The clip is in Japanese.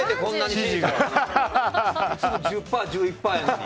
いつも１０％、１１％やのに。